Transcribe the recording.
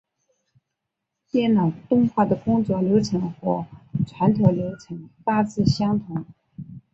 电脑动画的工作流程和传统流程大致相同。